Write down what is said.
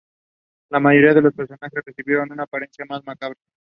La mayoría de los personajes recibieron una apariencia más macabra.